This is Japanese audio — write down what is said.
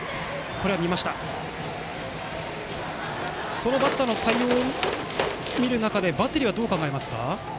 そのバッターの対応を見る中でバッテリーはどう考えますか？